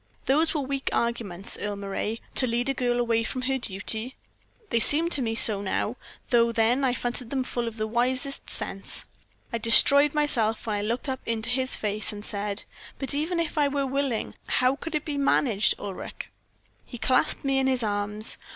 "Those were weak arguments, Earle Moray, to lead a girl away from her duty. They seem to me so now, though then I fancied them full of wisest sense. I destroyed myself when I looked up into his face, and said; "'But even if I were willing, how could it be managed, Ulric?' "He clasped me in his arms.